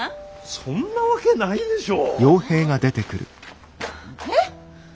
そんなわけないでしょう。はあ？え？